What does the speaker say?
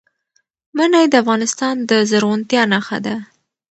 منی د افغانستان د زرغونتیا نښه ده.